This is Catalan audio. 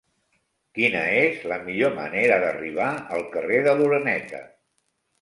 Quina és la millor manera d'arribar al carrer de l'Oreneta?